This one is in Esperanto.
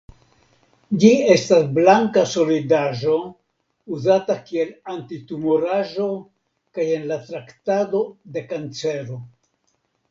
Ĝi estas blanka solidaĵo uzata kiel antitumoraĵo kaj en la traktado de kancero.